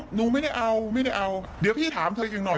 หนูไม่ได้เอาไม่ได้เอาเดี๋ยวพี่ถามเธออีกหน่อย